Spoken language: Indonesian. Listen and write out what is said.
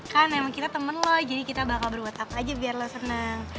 kan emang kita temen lo jadi kita bakal berwhat up aja biar lo seneng